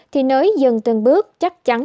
thì nới dân từng bước chắc chắn